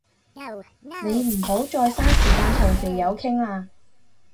你唔好再嘥時間同條友傾啦